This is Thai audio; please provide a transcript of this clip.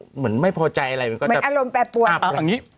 เหมือนไม่พอใจอะไรอารมณ์แปลปวด